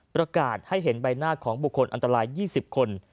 ประกาศให้เห็นใบหน้าของบุคคลอันตราย๒๐คน